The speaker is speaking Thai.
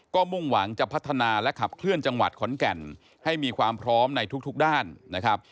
ก็มุ่งหวังจะพัฒนาและขับเคลื่อนจังหวัดขอนแก่นให้มีความพร้อมในทุกด้านนะครับ